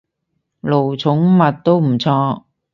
奴寵物，都唔錯